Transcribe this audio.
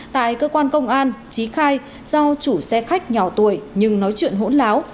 tại cơ quan công an trí khai do chủ xe khách nhỏ tuổi nhưng nói chuyện hỗn láo